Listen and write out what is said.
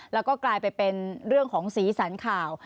แล้วก็กลายไปเป็นเรื่องของสีสันข่าว